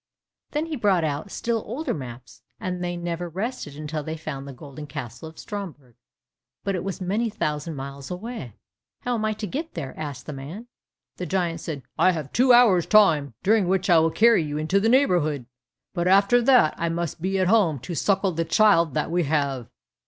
Then he brought out still older maps, and they never rested until they found the golden castle of Stromberg, but it was many thousand miles away. "How am I to get there?" asked the man. The giant said, "I have two hours' time, during which I will carry you into the neighbourhood, but after that I must be at home to suckle the child that we have."